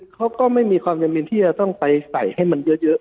เขาก็ไม่มีความจำเป็นที่จะต้องไปใส่ให้มันเยอะ